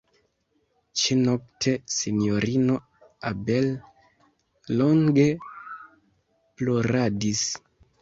Ĉinokte Sinjorino Abel longe ploradis.